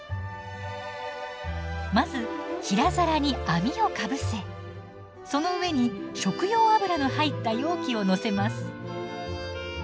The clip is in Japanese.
まず平皿に網をかぶせその上に食用油の入った容器をのせます。